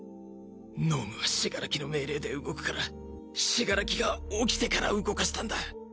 脳無は死柄木の命令で動くから死柄木が起きてから動かしたんだ